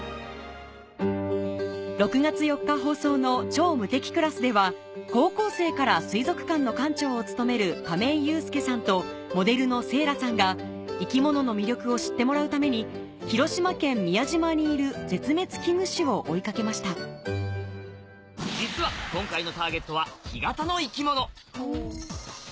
６月４日放送の『超無敵クラス』では高校生から水族館の館長を務める亀井裕介さんとモデルのせいらさんが生き物の魅力を知ってもらうために広島県宮島にいる絶滅危惧種を追いかけました実は今回の。